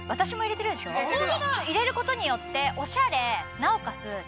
入れることによっておしゃれなおかつ